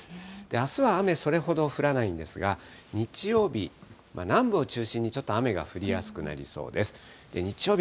あすは雨、それほど降らないんですが、日曜日、南部を中心にちょっと雨が降りやすくなりそうです。